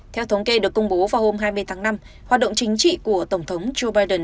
theo thống kê được công bố vào hôm hai mươi tháng năm hoạt động chính trị của tổng thống joe biden